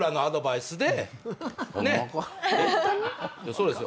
そうです。